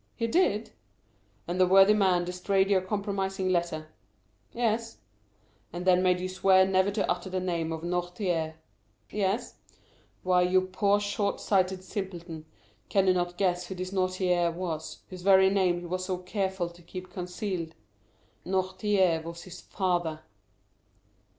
"He did." "And the worthy man destroyed your compromising letter?" "Yes." "And then made you swear never to utter the name of Noirtier?" "Yes." "Why, you poor short sighted simpleton, can you not guess who this Noirtier was, whose very name he was so careful to keep concealed? This Noirtier was his father!"